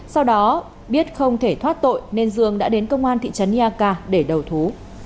sau đó biết không thể thoát tội nên dương đã đến công an thị trấn eak để đầu thú